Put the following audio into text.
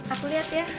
aku lihat ya